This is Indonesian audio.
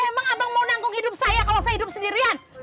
emang abang mau nanggung hidup saya kalau saya hidup sendirian